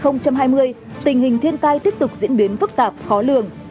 năm hai nghìn hai mươi tình hình thiên tai tiếp tục diễn biến phức tạp khó lường